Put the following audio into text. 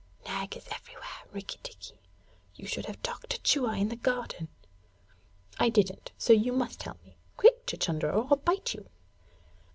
Nag is everywhere, Rikki tikki. You should have talked to Chua in the garden.' 'I didn't so you must tell me. Quick, Chuchundra, or I'll bite you!'